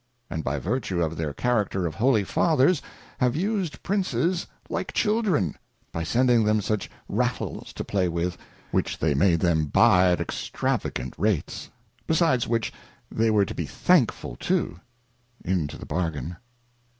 And by virtue of their Character of Holy Fathers, have used Princes like Children, by sending them such Rattles to play with, which they made them buy at extravagant Rates ; besides which, they were to be thankful too, in to the bargain.